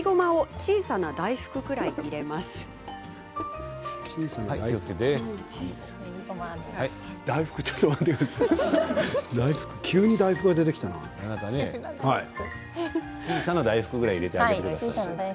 小さな大福ぐらい入れてあげてください。